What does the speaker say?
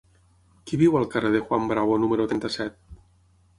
Qui viu al carrer de Juan Bravo número trenta-set?